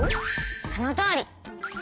そのとおり！